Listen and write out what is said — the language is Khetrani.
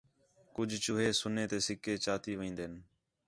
کُج چوہے سنے سے سِکے چاتی وین٘دِن